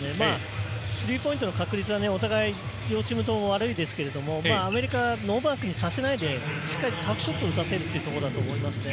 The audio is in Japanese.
スリーポイントの確率はお互い両チームを悪いですが、アメリカをノーマークにさせないで、タフショットを打たせるということだと思いますね。